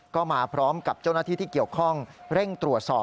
ก็มาพร้อมกับเจ้าหน้าที่ที่เกี่ยวข้องเร่งตรวจสอบ